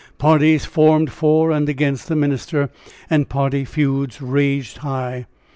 Parties formed for and against the minister, and party feuds raged high.